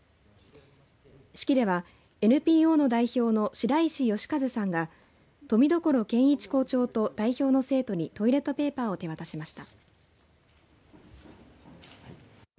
式ではＮＰＯの代表の白石祥和さんが冨所謙一校長と代表の生徒にトイレットペーパーを手渡しました。